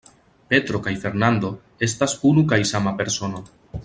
Petro kaj Fernando estas unu kaj sama persono.